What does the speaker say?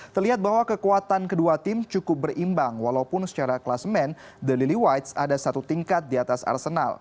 terlihat bahwa kekuatan kedua tim cukup berimbang walaupun secara kelas men the lily white ada satu tingkat di atas arsenal